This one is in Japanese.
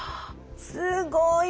すごい。